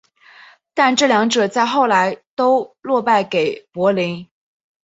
但这两者在后来都落败给柏林。